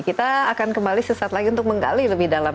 kita akan kembali sesaat lagi untuk menggali lebih dalam